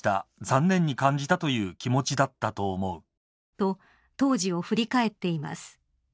と、当時を振り返っています。